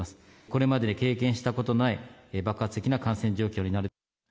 これまでで経験したことのない爆発的な感染状況になる。